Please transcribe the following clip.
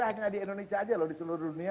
hanya di indonesia aja loh di seluruh dunia